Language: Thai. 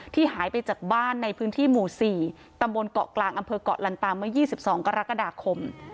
หายไปจากบ้านในพื้นที่หมู่๔ตำบลเกาะกลางอำเภอกเกาะลันตาเมื่อ๒๒กรกฎาคม